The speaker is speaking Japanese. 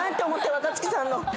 若槻さんの。